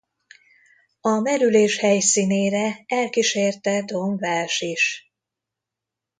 A merülés helyszínére elkísérte Don Walsh is.